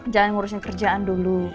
jangan ngurusin kerjaan dulu